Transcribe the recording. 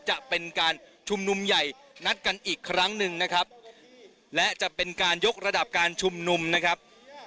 จะเป็นการชุมนุมใหญ่นัดกันอีกครั้งหนึ่งนะครับและจะเป็นการยกระดับการชุมนุมนะครับ